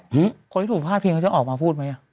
คนที่ถูกพลาดพิงเขาจะออกมาพูดไหม